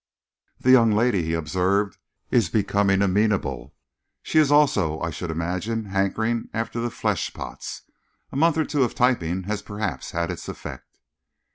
"The young lady," he observed, "is becoming amenable. She is also, I should imagine, hankering after the fleshpots. A month or two of typing has perhaps had its effect."